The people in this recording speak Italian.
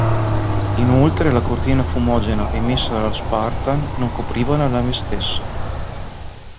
Inoltre la cortina fumogena emessa dalla "Spartan" non copriva la nave stessa.